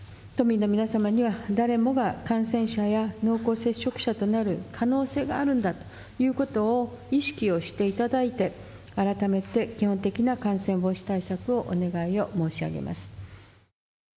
都民の皆様には、誰もが感染者や濃厚接触者となる可能性があるんだということを意識をしていただいて、改めて基本的な感染防止対策をお願いを申し上げます。